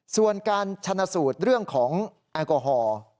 ส่วนการชนะสูตรเรื่องของแอลกอฮอล์